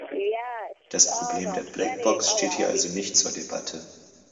Das Problem der Blackbox steht hier also nicht zur Debatte.